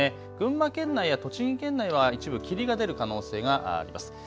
群馬県内や栃木県内は一部霧が出る可能性があります。